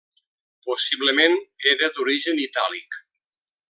Possiblement era d'origen itàlic.